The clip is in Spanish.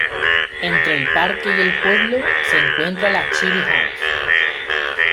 Entre el parque y el pueblo se encuentra la Chibi-House.